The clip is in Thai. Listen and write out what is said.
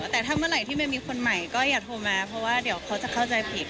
แต่ถ้าเมื่อไหร่ที่ไม่มีคนใหม่ก็อย่าโทรมาเพราะว่าเดี๋ยวเขาจะเข้าใจผิด